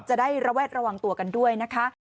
จะได้ระแวดระวังตัวกันด้วยนะคะ